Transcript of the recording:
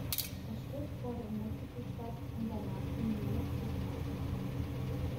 Das Stück wurde in Mexiko-Stadt und danach in New York City aufgeführt.